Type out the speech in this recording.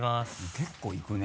結構いくね。